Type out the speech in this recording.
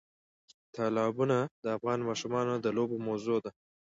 تالابونه د افغان ماشومانو د لوبو موضوع ده.